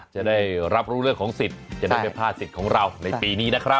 จะได้รับรู้เรื่องของสิทธิ์จะได้ไม่พลาดสิทธิ์ของเราในปีนี้นะครับ